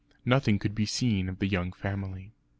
Nothing could be seen of the young family.